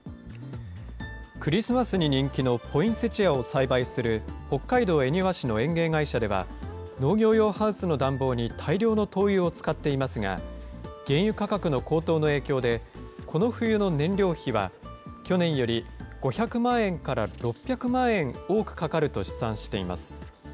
クリスマスに人気のポインセチアを栽培する、北海道恵庭市の園芸会社では、農業用ハウスの暖房に大量の灯油を使っていますが、原油価格の高騰の影響で、この冬の燃料費は去年より５００万円から６００万円多くかかると試算しています。